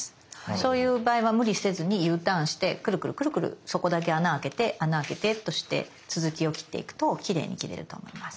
そういう場合は無理せずにＵターンしてくるくるくるくるそこだけ穴あけて穴あけてとして続きを切っていくときれいに切れると思います。